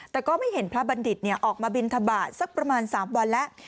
แต่ก็ไม่เห็นพระบัณฑิตออกมาบินทบาทสักประมาณ๓วันแล้ว